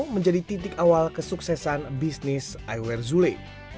menjadi titik awal kesuksesan bisnis eyware zule